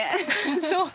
そう。